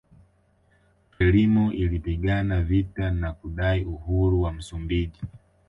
Frelimo ilipigana vita na kudai uhuru wa Msumbiji